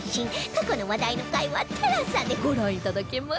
過去の話題の回は ＴＥＬＡＳＡ でご覧いただけます